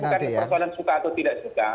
jadi kan bukan persoalan suka atau tidak suka